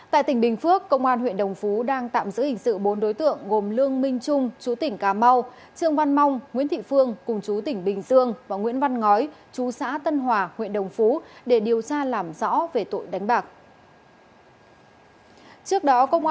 tại tỉnh bình phước công an huyện đồng phú đang tạm giữ hình sự bốn đối tượng gồm lương minh trung chú tỉnh cà mau trương văn mong nguyễn thị phương cùng chú tỉnh bình dương và nguyễn văn ngói chú xã tân hòa huyện đồng phú để điều tra làm rõ về tội đánh bạc